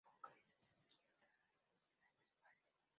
Congresos se celebran en años pares.